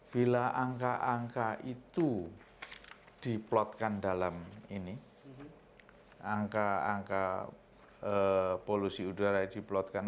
bila angka angka itu diplotkan dalam ini angka angka polusi udara diplotkan